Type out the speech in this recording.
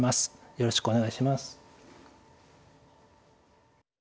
よろしくお願いします。